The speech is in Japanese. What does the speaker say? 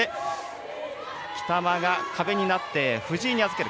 北間が壁になって藤井に預ける。